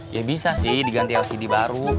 ya bisa sih diganti lcd baru